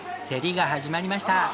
競りが始まりました。